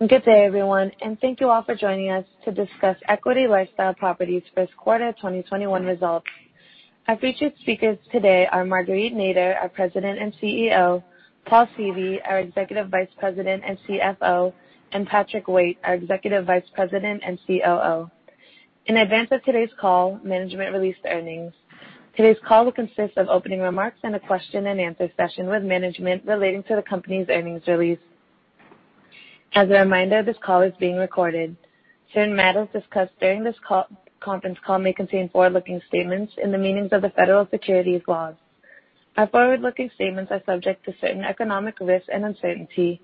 Good day, everyone, and thank you all for joining us to discuss Equity LifeStyle Properties' First Quarter 2021 Results. Our featured speakers today are Marguerite Nader, our President and CEO, Paul Seavey, our Executive Vice President and CFO, and Patrick Waite, our Executive Vice President and COO. In advance of today's call, management released earnings. Today's call will consist of opening remarks and a question and answer session with management relating to the company's earnings release. As a reminder, this call is being recorded. Certain matters discussed during this conference call may contain forward-looking statements in the meanings of the federal securities laws. Our forward-looking statements are subject to certain economic risks and uncertainty.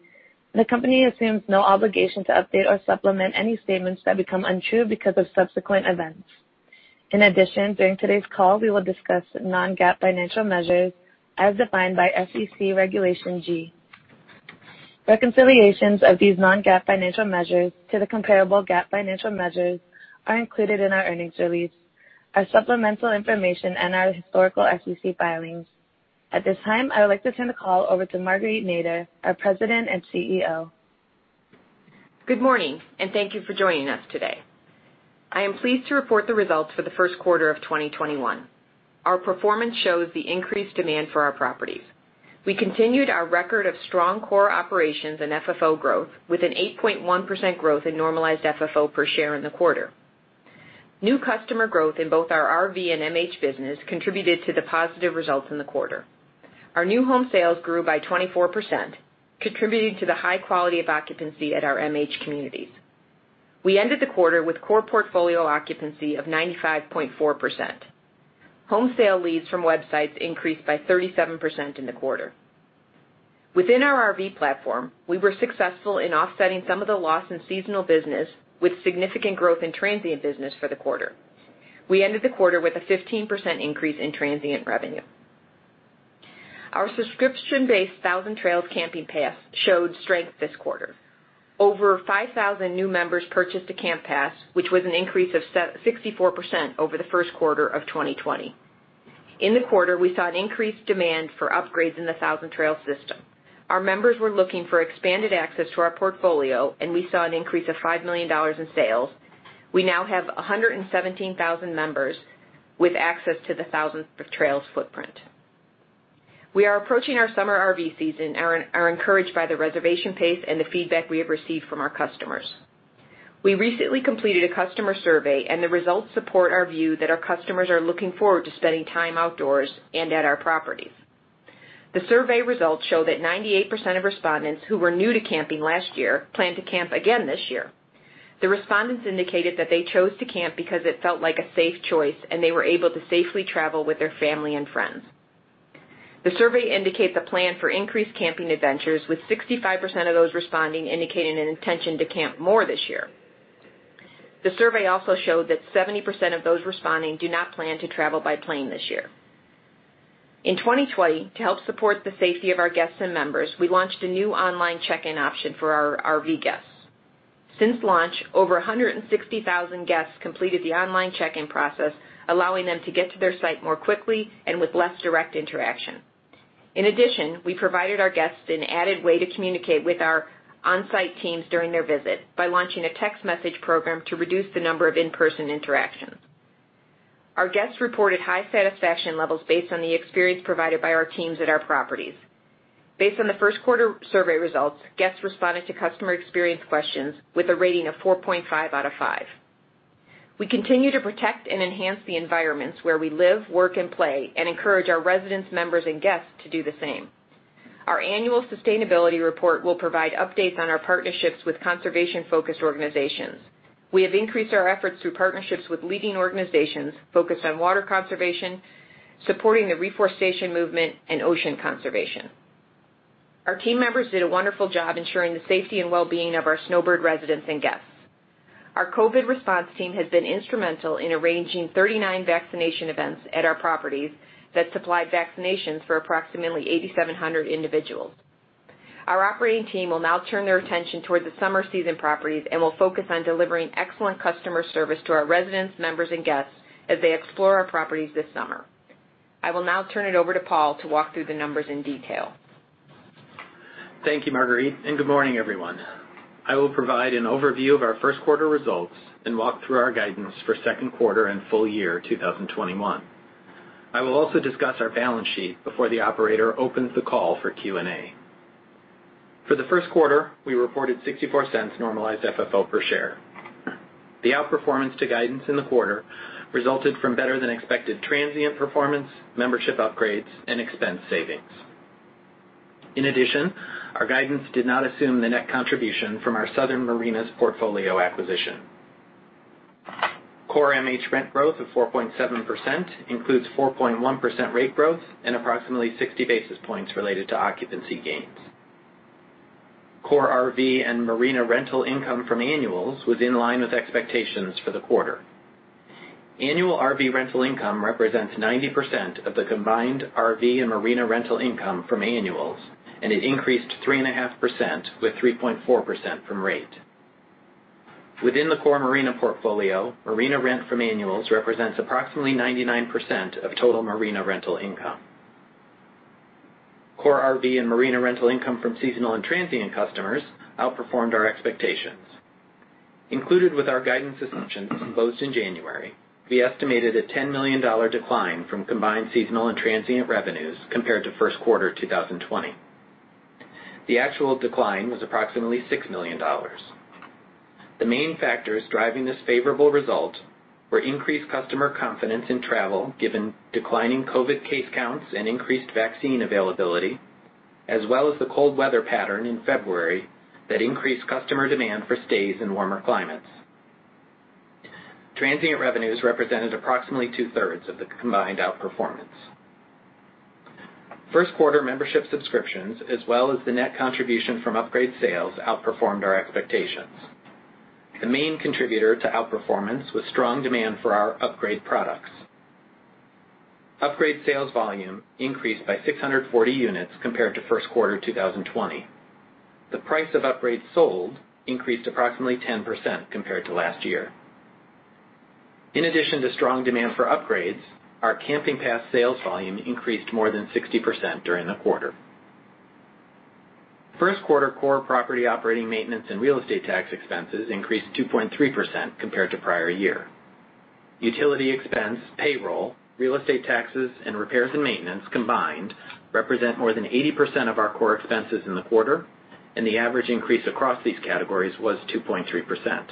The company assumes no obligation to update or supplement any statements that become untrue because of subsequent events. In addition, during today's call, we will discuss non-GAAP financial measures as defined by SEC Regulation G. Reconciliations of these non-GAAP financial measures to the comparable GAAP financial measures are included in our earnings release, our supplemental information, and our historical SEC filings. At this time, I would like to turn the call over to Marguerite Nader, our President and CEO. Good morning, and thank you for joining us today. I am pleased to report the results for the first quarter of 2021. Our performance shows the increased demand for our properties. We continued our record of strong core operations and FFO growth with an 8.1% growth in normalized FFO per share in the quarter. New customer growth in both our RV and MH business contributed to the positive results in the quarter. Our new home sales grew by 24%, contributing to the high quality of occupancy at our MH communities. We ended the quarter with core portfolio occupancy of 95.4%. Home sale leads from websites increased by 37% in the quarter. Within our RV platform, we were successful in offsetting some of the loss in seasonal business, with significant growth in transient business for the quarter. We ended the quarter with a 15% increase in transient revenue. Our subscription-based Thousand Trails camping pass showed strength this quarter. Over 5,000 new members purchased a camp pass, which was an increase of 64% over the first quarter of 2020. In the quarter, we saw an increased demand for upgrades in the Thousand Trails system. Our members were looking for expanded access to our portfolio, and we saw an increase of $5 million in sales. We now have 117,000 members with access to the Thousand Trails footprint. We are approaching our summer RV season and are encouraged by the reservation pace and the feedback we have received from our customers. We recently completed a customer survey, and the results support our view that our customers are looking forward to spending time outdoors and at our properties. The survey results show that 98% of respondents who were new to camping last year plan to camp again this year. The respondents indicated that they chose to camp because it felt like a safe choice, and they were able to safely travel with their family and friends. The survey indicates a plan for increased camping adventures, with 65% of those responding indicating an intention to camp more this year. The survey also showed that 70% of those responding do not plan to travel by plane this year. In 2020, to help support the safety of our guests and members, we launched a new online check-in option for our RV guests. Since launch, over 160,000 guests completed the online check-in process, allowing them to get to their site more quickly and with less direct interaction. In addition, we provided our guests an added way to communicate with our on-site teams during their visit by launching a text message program to reduce the number of in-person interactions. Our guests reported high satisfaction levels based on the experience provided by our teams at our properties. Based on the first quarter survey results, guests responded to customer experience questions with a rating of 4.5 out of five. We continue to protect and enhance the environments where we live, work, and play, encourage our residents, members, and guests to do the same. Our annual sustainability report will provide updates on our partnerships with conservation-focused organizations. We have increased our efforts through partnerships with leading organizations focused on water conservation, supporting the reforestation movement, and ocean conservation. Our team members did a wonderful job ensuring the safety and wellbeing of our snowbird residents and guests. Our COVID response team has been instrumental in arranging 39 vaccination events at our properties that supplied vaccinations for approximately 8,700 individuals. Our operating team will now turn their attention toward the summer season properties and will focus on delivering excellent customer service to our residents, members, and guests as they explore our properties this summer. I will now turn it over to Paul to walk through the numbers in detail. Thank you, Marguerite. Good morning, everyone. I will provide an overview of our first quarter results and walk through our guidance for second quarter and full year 2021. I will also discuss our balance sheet before the operator opens the call for Q&A. For the first quarter, we reported $0.64 normalized FFO per share. The outperformance to guidance in the quarter resulted from better than expected transient performance, membership upgrades, and expense savings. In addition, our guidance did not assume the net contribution from our Southern Marinas portfolio acquisition. Core MH rent growth of 4.7% includes 4.1% rate growth and approximately 60 basis points related to occupancy gains. Core RV and marina rental income from annuals was in line with expectations for the quarter. Annual RV rental income represents 90% of the combined RV and marina rental income from annuals, and it increased 3.5%, with 3.4% from rate. Within the core marina portfolio, marina rent from annuals represents approximately 99% of total marina rental income. Core RV and marina rental income from seasonal and transient customers outperformed our expectations. Included with our guidance assumptions closed in January, we estimated a $10 million decline from combined seasonal and transient revenues compared to first quarter 2020. The actual decline was approximately $6 million. The main factors driving this favorable result were increased customer confidence in travel, given declining COVID case counts and increased vaccine availability, as well as the cold weather pattern in February that increased customer demand for stays in warmer climates. Transient revenues represented approximately 2/3 of the combined outperformance. First quarter membership subscriptions, as well as the net contribution from upgrade sales, outperformed our expectations. The main contributor to outperformance was strong demand for our upgrade products. Upgrade sales volume increased by 640 units compared to first quarter 2020. The price of upgrades sold increased approximately 10% compared to last year. In addition to strong demand for upgrades, our camping pass sales volume increased more than 60% during the quarter. First quarter core property operating maintenance and real estate tax expenses increased 2.3% compared to prior year. Utility expense, payroll, real estate taxes, and repairs and maintenance combined represent more than 80% of our core expenses in the quarter, and the average increase across these categories was 2.3%.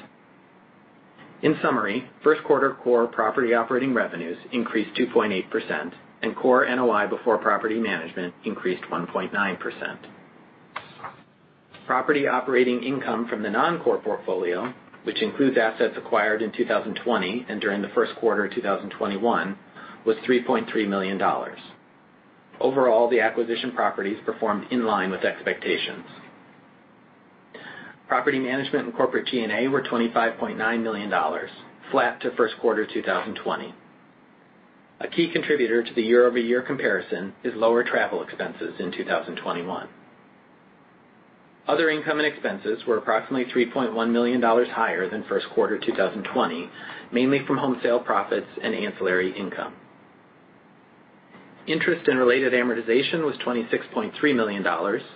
In summary, first quarter core property operating revenues increased 2.8%, and core NOI before property management increased 1.9%. Property operating income from the non-core portfolio, which includes assets acquired in 2020 and during the first quarter 2021, was $3.3 million. Overall, the acquisition properties performed in line with expectations. Property management and corporate G&A were $25.9 million, flat to first quarter 2020. A key contributor to the year-over-year comparison is lower travel expenses in 2021. Other income and expenses were approximately $3.1 million higher than first quarter 2020, mainly from home sale profits and ancillary income. Interest and related amortization was $26.3 million,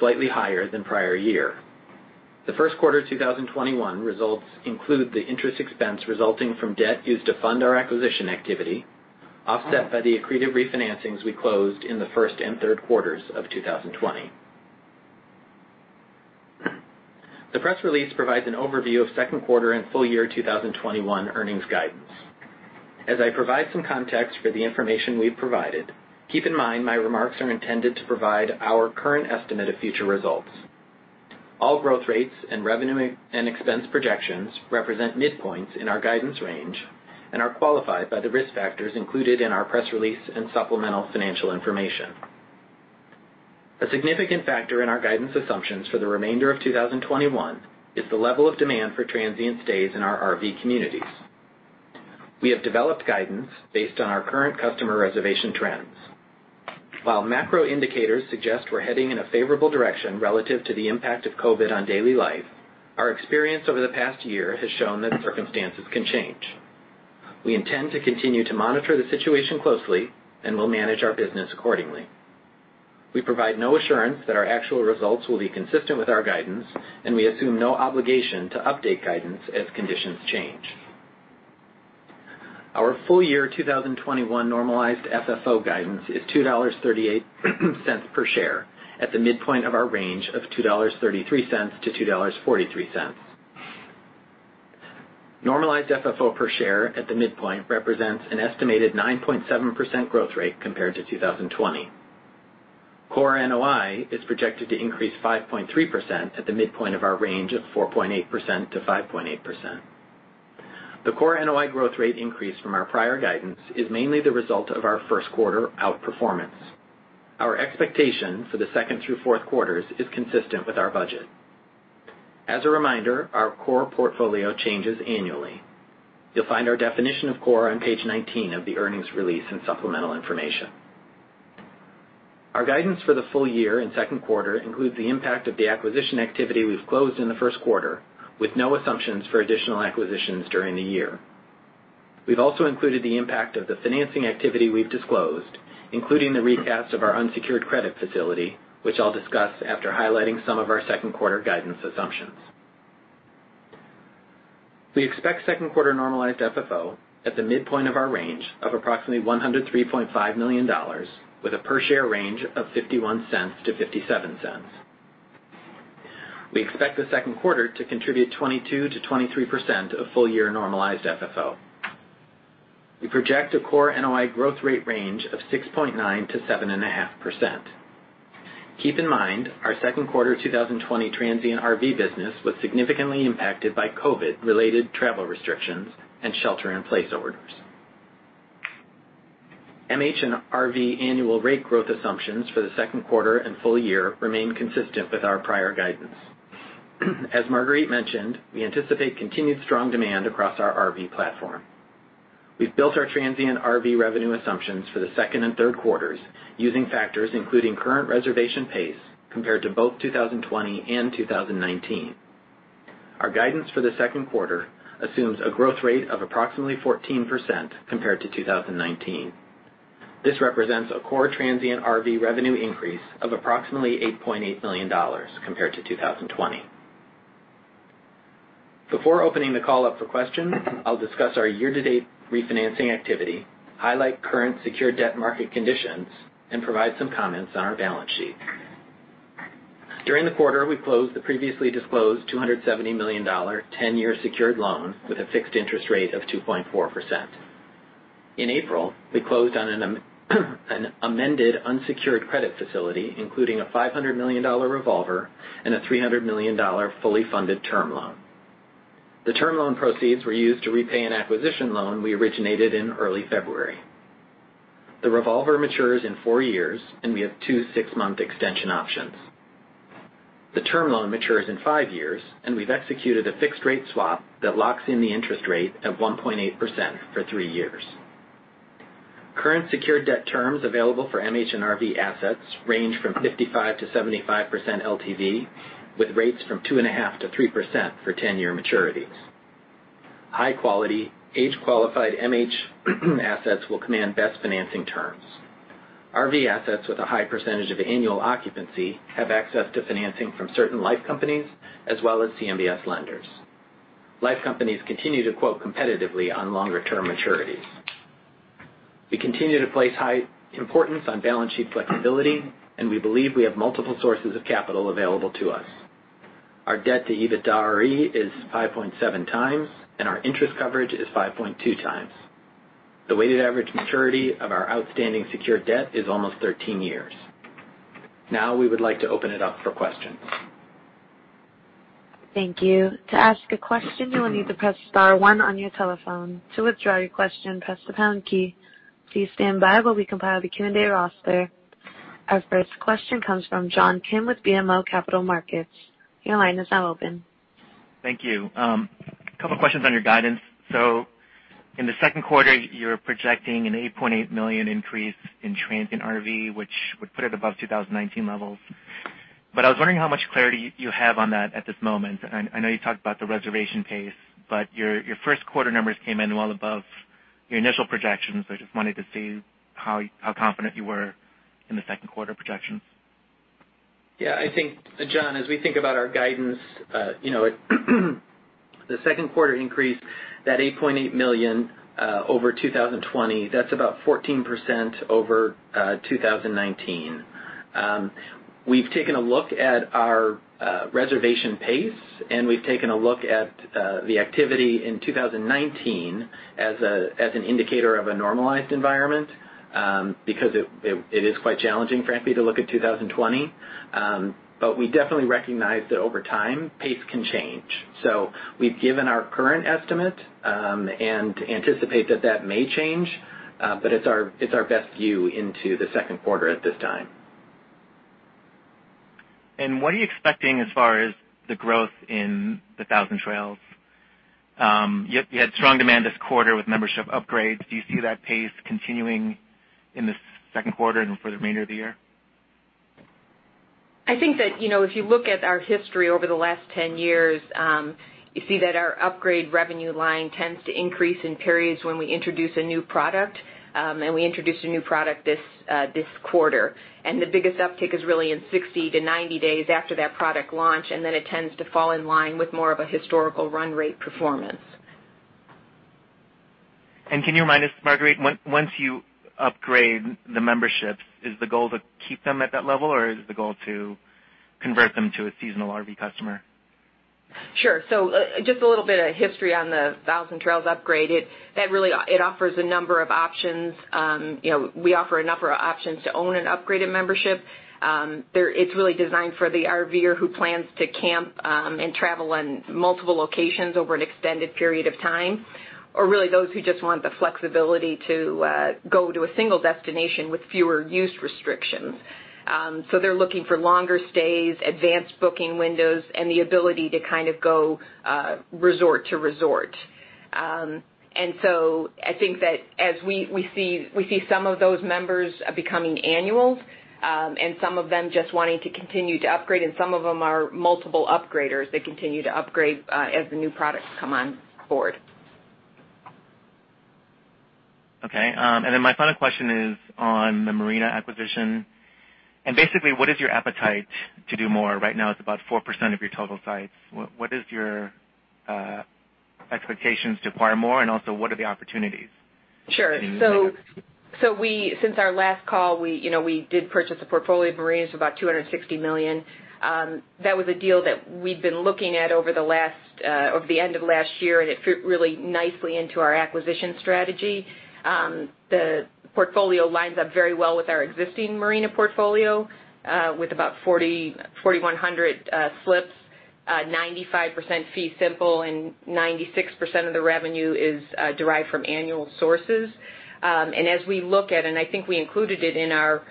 slightly higher than prior year. The first quarter 2021 results include the interest expense resulting from debt used to fund our acquisition activity, offset by the accretive refinancings we closed in the first and third quarters of 2020. The press release provides an overview of second quarter and full year 2021 earnings guidance. As I provide some context for the information we've provided, keep in mind my remarks are intended to provide our current estimate of future results. All growth rates and revenue and expense projections represent midpoints in our guidance range and are qualified by the risk factors included in our press release and supplemental financial information. A significant factor in our guidance assumptions for the remainder of 2021 is the level of demand for transient stays in our RV communities. We have developed guidance based on our current customer reservation trends. While macro indicators suggest we're heading in a favorable direction relative to the impact of COVID on daily life, our experience over the past year has shown that circumstances can change. We intend to continue to monitor the situation closely and will manage our business accordingly. We provide no assurance that our actual results will be consistent with our guidance, and we assume no obligation to update guidance as conditions change. Our full year 2021 normalized FFO guidance is $2.38 per share at the midpoint of our range of $2.33-2.43. Normalized FFO per share at the midpoint represents an estimated 9.7% growth rate compared to 2020. Core NOI is projected to increase 5.3% at the midpoint of our range of 4.8%-5.8%. The core NOI growth rate increase from our prior guidance is mainly the result of our first quarter outperformance. Our expectation for the second through fourth quarters is consistent with our budget. As a reminder, our core portfolio changes annually. You'll find our definition of core on page 19 of the earnings release and supplemental information. Our guidance for the full year and second quarter includes the impact of the acquisition activity we've closed in the first quarter, with no assumptions for additional acquisitions during the year. We've also included the impact of the financing activity we've disclosed, including the recast of our unsecured credit facility, which I'll discuss after highlighting some of our second quarter guidance assumptions. We expect second quarter normalized FFO at the midpoint of our range of approximately $103.5 million with a per share range of $0.51-0.57. We expect the second quarter to contribute 22%-23% of full year normalized FFO. We project a core NOI growth rate range of 6.9%-7.5%. Keep in mind, our second quarter 2020 transient RV business was significantly impacted by COVID-related travel restrictions and shelter in place orders. MH and RV annual rate growth assumptions for the second quarter and full year remain consistent with our prior guidance. As Marguerite mentioned, we anticipate continued strong demand across our RV platform. We've built our transient RV revenue assumptions for the second and third quarters using factors including current reservation pace compared to both 2020 and 2019. Our guidance for the second quarter assumes a growth rate of approximately 14% compared to 2019. This represents a core transient RV revenue increase of approximately $8.8 million compared to 2020. Before opening the call up for questions, I'll discuss our year-to-date refinancing activity, highlight current secured debt market conditions, and provide some comments on our balance sheet. During the quarter, we closed the previously disclosed $270 million, 10-year secured loan with a fixed interest rate of 2.4%. In April, we closed on an amended unsecured credit facility, including a $500 million revolver and a 300 million fully funded term loan. The term loan proceeds were used to repay an acquisition loan we originated in early February. The revolver matures in four years. We have two six-month extension options. The term loan matures in fve years. We've executed a fixed-rate swap that locks in the interest rate at 1.8% for three years. Current secured debt terms available for MH and RV assets range from 55%-75% LTV, with rates from 2.5%-3% for 10-year maturities. High-quality, age-qualified MH assets will command best financing terms. RV assets with a high percentage of annual occupancy have access to financing from certain life companies as well as CMBS lenders. Life companies continue to quote competitively on longer term maturities. We continue to place high importance on balance sheet flexibility. We believe we have multiple sources of capital available to us. Our debt to EBITDAre is 5.7x. Our interest coverage is 5.2x. The weighted average maturity of our outstanding secured debt is almost 13 years. We would like to open it up for questions. Thank you. To ask a question, you will need to press star one on your telephone. To withdraw your question, press the pound key. Please standby while we compile the Q&A roster. Our first question comes from John Kim with BMO Capital Markets. Your line is now open. Thank you. A couple of questions on your guidance. In the second quarter, you're projecting an $8.8 million increase in Transient RV, which would put it above 2019 levels. I was wondering how much clarity you have on that at this moment. I know you talked about the reservation pace. Your first quarter numbers came in well above your initial projections. I just wanted to see how confident you were in the second quarter projections. Yeah, I think, John, as we think about our guidance, you know, the second quarter increase, that $8.8 million over 2020, that's about 14% over 2019. We've taken a look at our reservation pace. We've taken a look at the activity in 2019 as an indicator of a normalized environment, because it is quite challenging, frankly, to look at 2020. We definitely recognize that over time, pace can change. We've given our current estimate and anticipate that that may change, but it's our best view into the second quarter at this time. What are you expecting as far as the growth in the Thousand Trails? You had strong demand this quarter with membership upgrades. Do you see that pace continuing in the second quarter and for the remainder of the year? I think that if you look at our history over the last 10 years, you see that our upgrade revenue line tends to increase in periods when we introduce a new product, and we introduced a new product this quarter. The biggest uptick is really in 60 to 90 days after that product launch, and then it tends to fall in line with more of a historical run rate performance. And can you remind us, Marguerite, once you upgrade the memberships, is the goal to keep them at that level, or is the goal to convert them to a seasonal RV customer? Sure. Just a little bit of history on the Thousand Trails upgrade. It offers a number of options. You know, we offer a number of options to own an upgraded membership. It's really designed for the RVer who plans to camp and travel in multiple locations over an extended period of time, or really those who just want the flexibility to go to a single destination with fewer use restrictions. They're looking for longer stays, advanced booking windows, and the ability to go resort to resort. And so, I think that as we see some of those members becoming annuals, and some of them just wanting to continue to upgrade, and some of them are multiple upgraders that continue to upgrade as the new products come on board. Okay. And my final question is on the marina acquisition. Basically, what is your appetite to do more? Right now it's about 4% of your total sites. What is your expectations to acquire more, and also what are the opportunities? Sure. Since our last call, we did purchase a portfolio of marinas for about $260 million. That was a deal that we'd been looking at over the end of last year, and it fit really nicely into our acquisition strategy. The portfolio lines up very well with our existing marina portfolio, with about 4,100 slips, 95% fee simple, and 96% of the revenue is derived from annual sources. As we look at, and I think we included it in our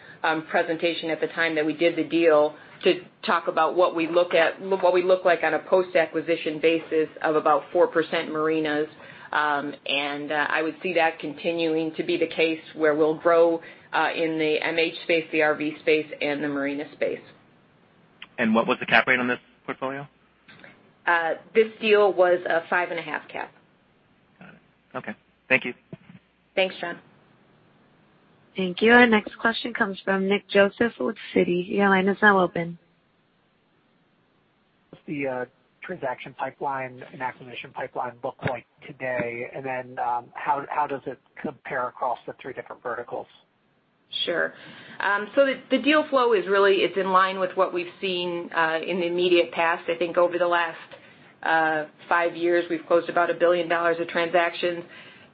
presentation at the time that we did the deal to talk about what we look like on a post-acquisition basis of about 4% marinas. I would see that continuing to be the case where we'll grow in the MH space, the RV space, and the marina space. What was the cap rate on this portfolio? This deal was a 5.5% cap. Okay. Thank you. Thanks, John. Thank you. Our next question comes from Nick Joseph with Citi. Your line is now open. What's the transaction pipeline and acquisition pipeline look like today? How does it compare across the three different verticals? Sure. So the deal flow is really in line with what we've seen in the immediate past. I think over the last five years, we've closed about $1 billion of transactions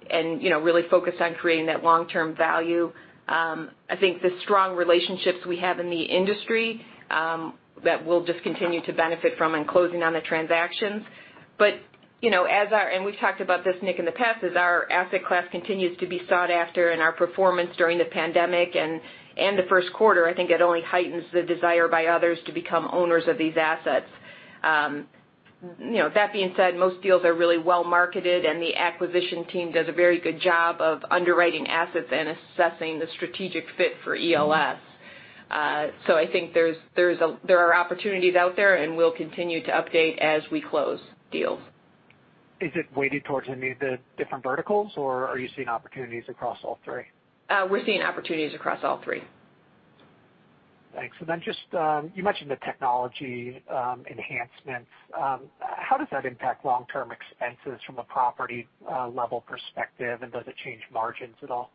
and, you know, really focused on creating that long-term value. I think the strong relationships we have in the industry, that we'll just continue to benefit from in closing on the transactions. But you know, as our—and we've talked about this, Nick, in the past, as our asset class continues to be sought after and our performance during the pandemic and the first quarter, I think it only heightens the desire by others to become owners of these assets. You know, that being said, most deals are really well marketed, and the acquisition team does a very good job of underwriting assets and assessing the strategic fit for ELS. So I think there are opportunities out there, and we'll continue to update as we close deals. Is it weighted towards any of the different verticals, or are you seeing opportunities across all three? We're seeing opportunities across all three. Thanks. Just, you mentioned the technology enhancements. How does that impact long-term expenses from a property-level perspective, and does it change margins at all?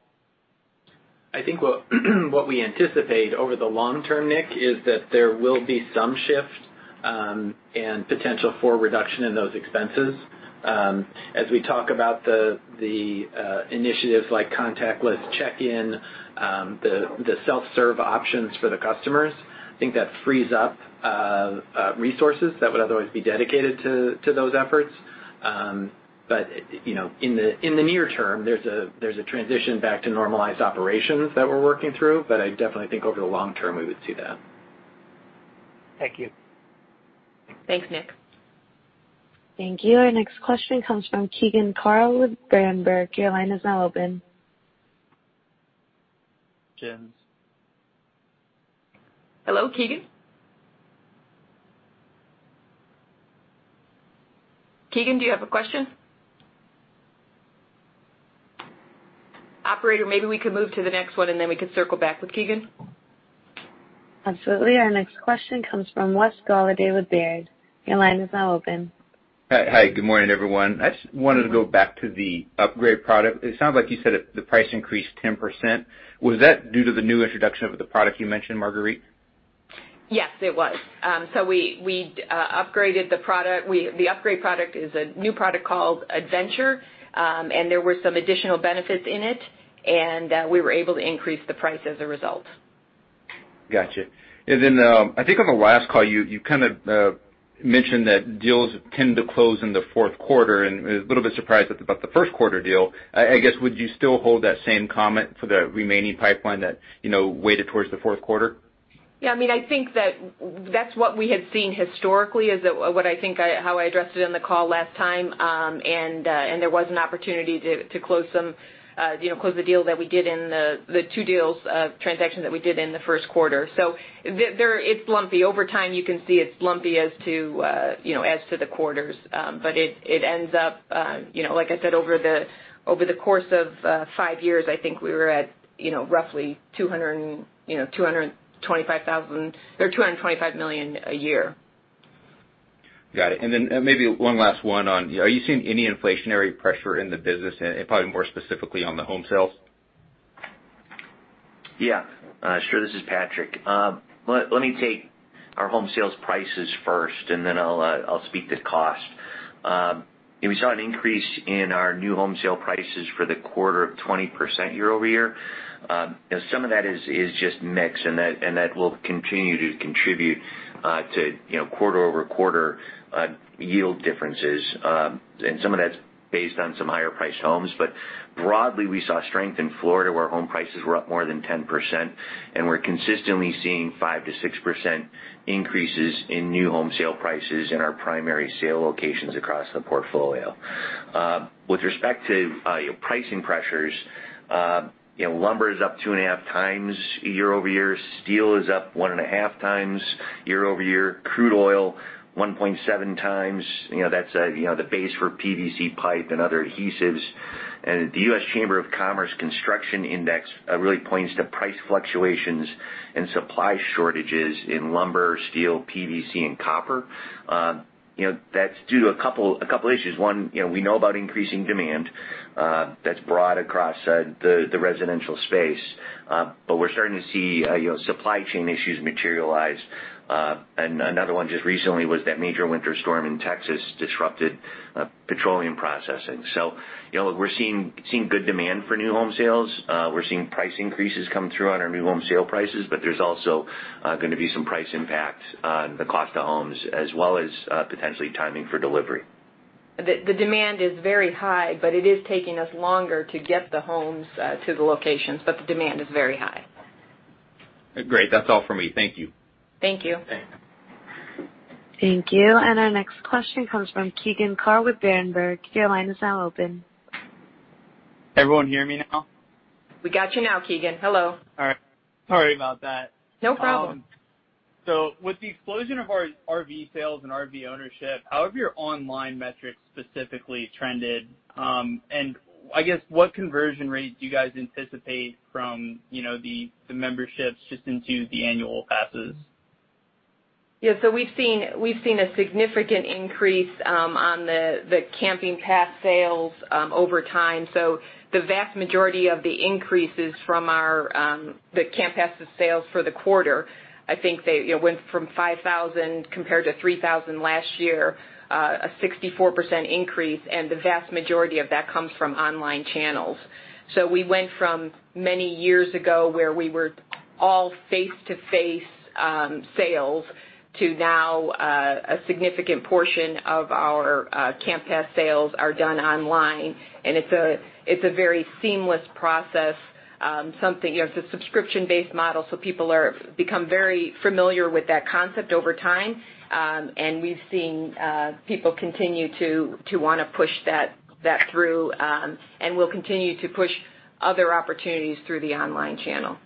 I think what we anticipate over the long term, Nick, is that there will be some shift, and potential for a reduction in those expenses. As we talk about the initiatives like contactless check-in, the self-serve options for the customers, I think that frees up resources that would otherwise be dedicated to those efforts. But, you know, in the near term, there's a transition back to normalized operations that we're working through. I definitely think over the long term, we would see that. Thank you. Thanks, Nick. Thank you. Our next question comes from Keegan Carl with Berenberg. Your line is now open. Keegan. Hello, Keegan? Keegan, do you have a question? Operator, maybe we could move to the next one, and then we could circle back with Keegan. Absolutely. Our next question comes from Wes Golladay with Baird. Your line is now open. Hi. Good morning, everyone. I just wanted to go back to the upgrade product. It sounds like you said the price increased 10%. Was that due to the new introduction of the product you mentioned, Marguerite? Yes, it was. So we, we upgraded the product. The upgrade product is a new product called Adventure, and there were some additional benefits in it, and we were able to increase the price as a result. Got you. I think on the last call, you kind of mentioned that deals tend to close in the fourth quarter, and I was a little bit surprised about the first quarter deal. Would you still hold that same comment for the remaining pipeline that weighted towards the fourth quarter? Yeah, I think that that's what we had seen historically, is what I think how I addressed it on the call last time. And the.. There was an opportunity to close the deal that we did in the two deals, transactions that we did in the first quarter. It's lumpy. Over time, you can see it's lumpy as to the quarters. It ends up, like I said, over the course of five years, I think we were at roughly 225,000 or $225 million a year. Got it. Maybe one last one on, are you seeing any inflationary pressure in the business, and probably more specifically on the home sales? Yeah. Sure. This is Patrick. Let me take our home sales prices first, and then I'll speak to cost. We saw an increase in our new home sale prices for the quarter of 20% year-over-year. Some of that is just mix, and that will continue to contribute to quarter-over-quarter yield differences. Some of that's based on some higher-priced homes. Broadly, we saw strength in Florida, where home prices were up more than 10%, and we're consistently seeing 5%-6% increases in new home sale prices in our primary sale locations across the portfolio. With respect to pricing pressures, lumber is up 2.5x year over year. Steel is up 1.5x year over year. Crude oil, 1.7x. That's the base for PVC pipe and other adhesives. And the U.S. Chamber of Commerce Construction Index really points to price fluctuations and supply shortages in lumber, steel, PVC, and copper. That's due to a couple of issues. One, we know about increasing demand that's broad across the residential space. We're starting to see supply chain issues materialize. And another one just recently was that major winter storm in Texas disrupted petroleum processing. So, you know, we're seeing good demand for new home sales. We're seeing price increases come through on our new home sale prices, but there's also going to be some price impact on the cost of homes, as well as potentially timing for delivery. The demand is very high, but it is taking us longer to get the homes to the locations. The demand is very high. Great. That's all for me. Thank you. Thank you. Thanks. Thank you. Our next question comes from Keegan Carl with Berenberg. Your line is now open. Everyone hear me now? We got you now, Keegan. Hello. All right. Sorry about that. No problem. With the explosion of RV sales and RV ownership, how have your online metrics specifically trended? I guess, what conversion rate do you guys anticipate from the memberships just into the annual passes? Yeah. We've seen a significant increase on the camping pass sales over time. The vast majority of the increases from the camp pass sales for the quarter, I think they went from 5,000 compared to 3,000 last year, a 64% increase, and the vast majority of that comes from online channels. We went from many years ago, where we were all face-to-face sales, to now a significant portion of our camp pass sales are done online, and it's a very seamless process. It's a subscription-based model, so people have become very familiar with that concept over time. We've seen people continue to want to push that through, and we'll continue to push other opportunities through the online channel.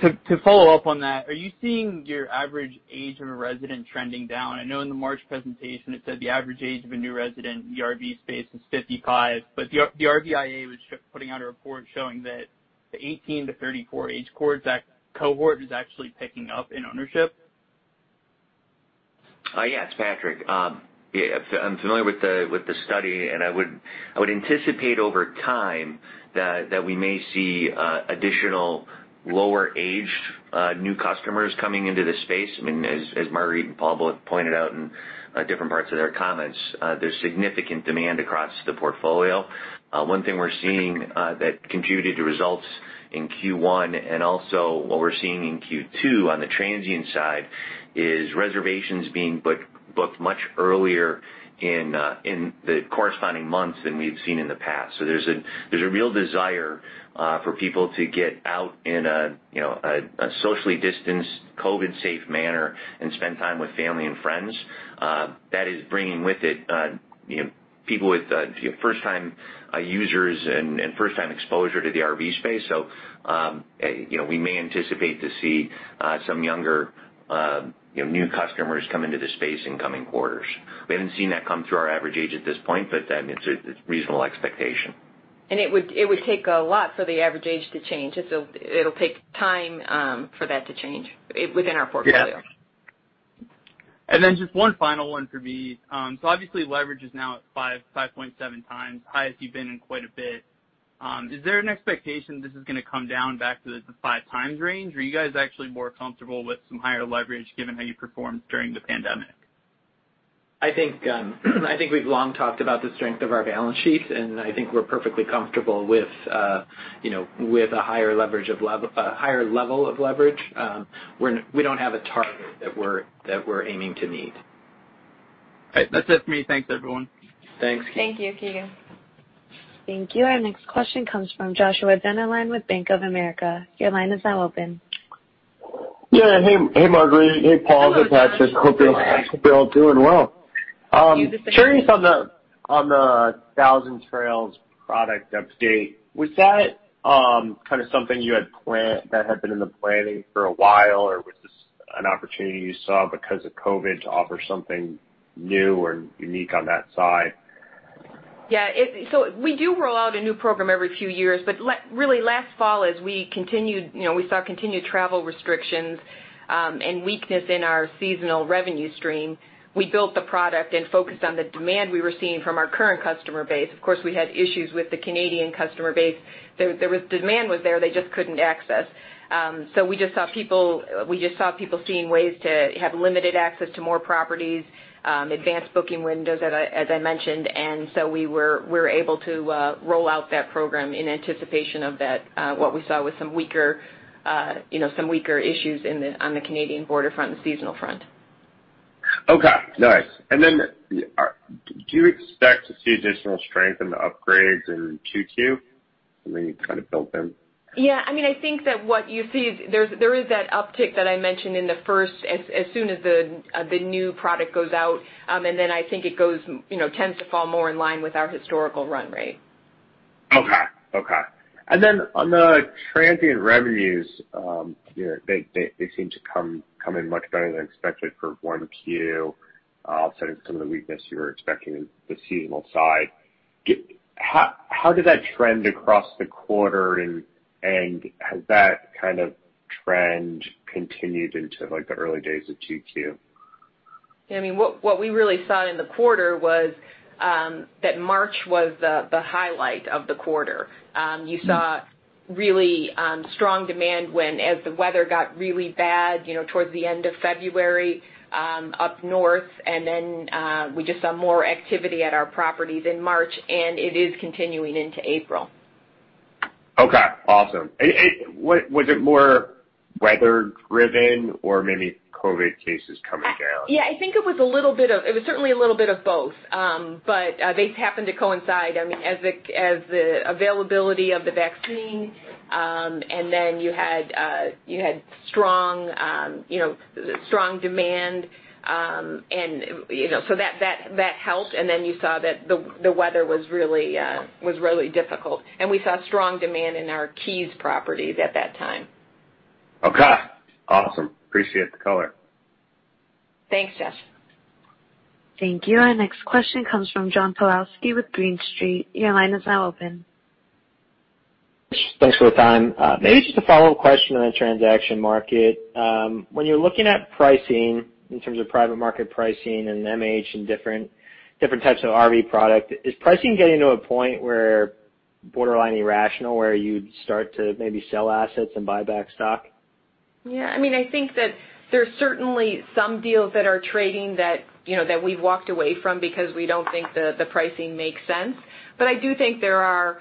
To follow up on that, are you seeing your average age of a resident trending down? I know in the March presentation, it said the average age of a new resident in the RV space is 55, but the RVIA was putting out a report showing that the 18 to 34 age cohort is actually picking up in ownership? Yes, Patrick. I'm familiar with the study, and I would anticipate over time that we may see additional lower age, new customers coming into the space. As Marguerite and Paul both pointed out in different parts of their comments, there's significant demand across the portfolio. One thing we're seeing that contributed to results in Q1 and also what we're seeing in Q2 on the transient side, is reservations being booked much earlier in the corresponding months than we've seen in the past. There's a real desire for people to get out in a socially distanced, COVID safe manner and spend time with family and friends. That is bringing with it first time users and first time exposure to the RV space. We may anticipate to see some younger, new customers come into this space in coming quarters. We haven't seen that come through our average age at this point, but it's a reasonable expectation. It would take a lot for the average age to change. It'll take time for that to change within our portfolio. Yeah. Just one final one for me. Obviously leverage is now at 5.7x, highest you've been in quite a bit. Is there an expectation this is going to come down back to the five times range, or are you guys actually more comfortable with some higher leverage given how you performed during the pandemic? I think we've long talked about the strength of our balance sheet, and I think we're perfectly comfortable with a higher level of leverage. We don't have a target that we're aiming to meet. All right. That's it for me. Thanks, everyone. Thanks. Thank you, Keegan. Thank you. Our next question comes from Joshua Dennerlein with Bank of America. Your line is now open. Yeah. Hey, Marguerite. Hey, Paul. Hey, Patrick. Hey. Hope you're all doing well. You the same. Curious on the Thousand Trails product update. Was that something that had been in the planning for a while, or was this an opportunity you saw because of COVID to offer something new or unique on that side? Yeah. We do roll out a new program every few years, but really last fall, as we saw continued travel restrictions and weakness in our seasonal revenue stream, we built the product and focused on the demand we were seeing from our current customer base. Of course, we had issues with the Canadian customer base. The demand was there, they just couldn't access. We just saw people seeing ways to have limited access to more properties, advanced booking windows, as I mentioned. We were able to roll out that program in anticipation of what we saw with some weaker issues on the Canadian border front and the seasonal front. Okay, nice. Do you expect to see additional strength in the upgrades in Q2, something you kind of built in? I think that what you see is, there is that uptick that I mentioned in the first, as soon as the new product goes out, and then I think it tends to fall more in line with our historical run rate. Okay. On the transient revenues, they seem to come in much better than expected for 1Q, offsetting some of the weakness you were expecting on the seasonal side. How did that trend across the quarter and has that trend continued into the early days of 2Q? What we really saw in the quarter was that March was the highlight of the quarter. You saw really strong demand as the weather got really bad towards the end of February up north, and then we just saw more activity at our properties in March, and it is continuing into April. Okay. Awesome. Was it more weather driven or maybe COVID cases coming down? Yeah. I think it was certainly a little bit of both. But they happened to coincide as the availability of the vaccine, and then you had strong demand, so that helped, and then you saw that the weather was really difficult. We saw strong demand in our Keys properties at that time. Okay. Awesome. Appreciate the color. Thanks, Joshua. Thank you. Our next question comes from John Pawlowski with Green Street. Your line is now open. Thanks for the time. Maybe just a follow-up question on the transaction market. When you're looking at pricing in terms of private market pricing and MH and different types of RV product, is pricing getting to a point where borderline irrational, where you'd start to maybe sell assets and buy back stock? Yeah. I mean, I think that there's certainly some deals that are trading that we've walked away from because we don't think the pricing makes sense. I do think there are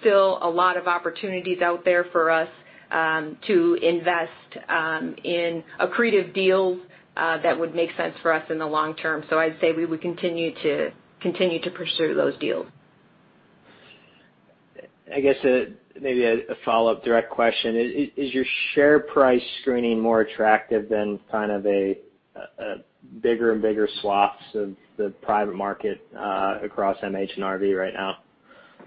still a lot of opportunities out there for us to invest in accretive deals that would make sense for us in the long term. I'd say we would continue to pursue those deals. I guess maybe a follow-up direct question. Is your share price screening more attractive than kind of a bigger and bigger swaths of the private market across MH and RV right now?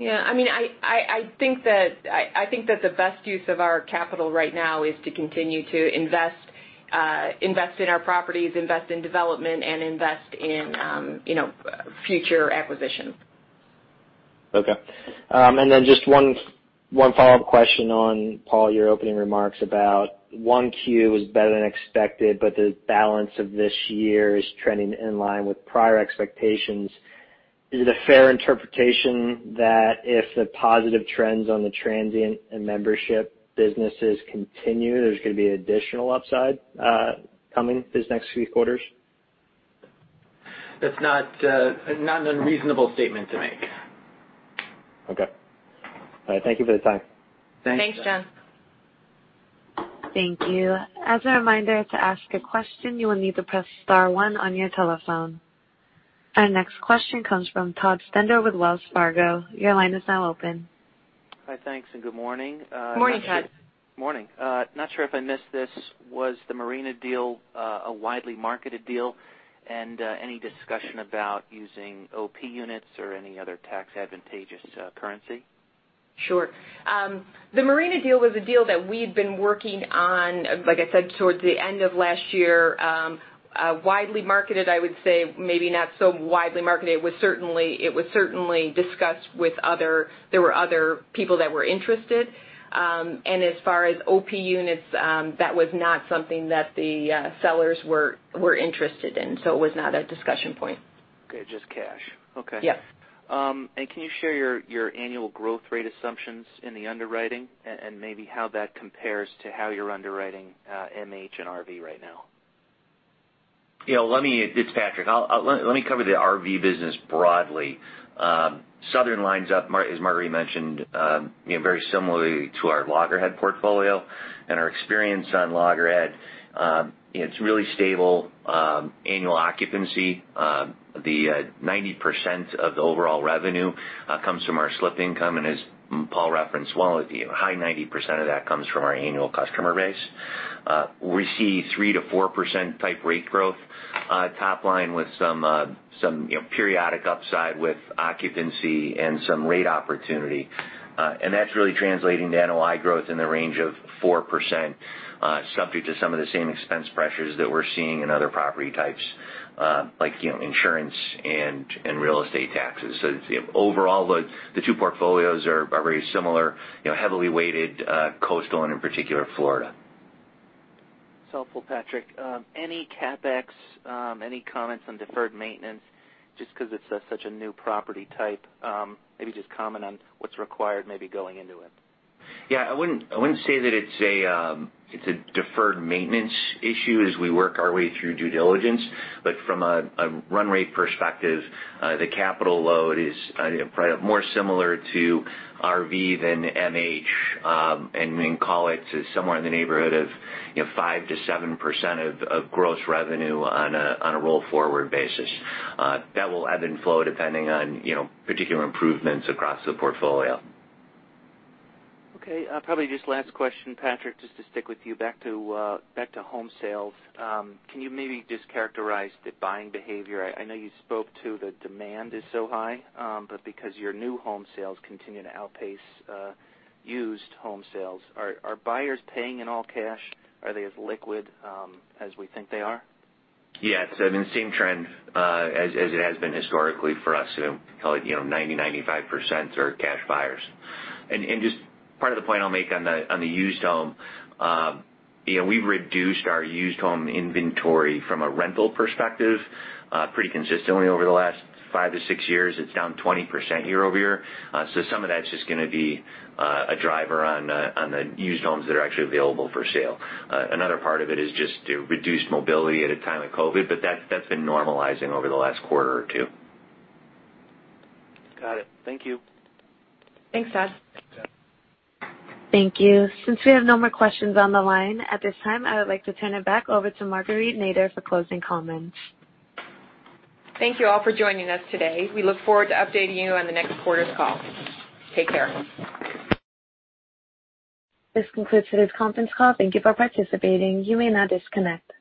I think that the best use of our capital right now is to continue to invest in our properties, invest in development, and invest in future acquisitions. Okay. And then just one follow-up question on, Paul, your opening remarks about 1Q is better than expected, but the balance of this year is trending in line with prior expectations. Is it a fair interpretation that if the positive trends on the transient and membership businesses continue, there's going to be additional upside coming these next few quarters? That's not an unreasonable statement to make. Okay. All right. Thank you for the time. Thanks. Thanks, John. Thank you. As a reminder, to ask a question, you will need to press star one on your telephone. Our next question comes from Todd Stender with Wells Fargo. Your line is now open. Hi, thanks, and good morning. Morning, Todd. Morning. Not sure if I missed this. Was the marina deal a widely marketed deal? Any discussion about using OP units or any other tax advantageous currency? Sure. The marina deal was a deal that we'd been working on, like I said, towards the end of last year. Widely marketed, I would say maybe not so widely marketed. It was certainly discussed with other people that were interested. As far as OP units, that was not something that the sellers were interested in, so it was not a discussion point. Okay. Just cash. Okay. Yes. Can you share your annual growth rate assumptions in the underwriting and maybe how that compares to how you're underwriting MH and RV right now? Yeah. Let me, it's Patrick. Let me cover the RV business broadly. Southern lines up, as Marguerite mentioned, very similarly to our Loggerhead portfolio and our experience on Loggerhead. It's really stable annual occupancy. The 90% of the overall revenue comes from our slip income, and as Paul referenced well, a high 90% of that comes from our annual customer base. We see 3%-4% type rate growth top line with some periodic upside with occupancy and some rate opportunity. That's really translating to NOI growth in the range of 4%, subject to some of the same expense pressures that we're seeing in other property types, like insurance and real estate taxes. Overall, the two portfolios are very similar, heavily weighted coastal, and in particular, Florida. That's helpful, Patrick. Any CapEx, any comments on deferred maintenance, just because it's such a new property type? Maybe just comment on what's required maybe going into it. Yeah. I wouldn't say that it's a deferred maintenance issue as we work our way through due diligence. From a run rate perspective, the capital load is more similar to RV than MH, and we call it to somewhere in the neighborhood of 5%-7% of gross revenue on a roll-forward basis. That will ebb and flow depending on particular improvements across the portfolio. Okay. Probably just last question, Patrick, just to stick with you. Back to home sales. Can you maybe just characterize the buying behavior? I know you spoke to the demand is so high, but because your new home sales continue to outpace used home sales, are buyers paying in all cash? Are they as liquid as we think they are? Yeah. It's been the same trend as it has been historically for us. Call it 90%, 95% are cash buyers. Just part of the point I'll make on the used home, we've reduced our used home inventory from a rental perspective pretty consistently over the last five to six years. It's down 20% year-over-year. Some of that's just going to be a driver on the used homes that are actually available for sale. Another part of it is just reduced mobility at a time of COVID, but that's been normalizing over the last quarter or two. Got it. Thank you. Thanks, Todd. Thank you. Since we have no more questions on the line at this time, I would like to turn it back over to Marguerite Nader for closing comments. Thank you all for joining us today. We look forward to updating you on the next quarter's call. Take care. This concludes today's conference call. Thank you for participating. You may now disconnect.